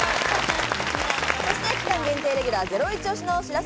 期間限定レギュラー、ゼロイチ推しの白洲